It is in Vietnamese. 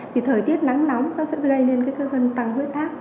thì thời tiết nắng nóng nó sẽ gây nên cái cơn tăng huyết ác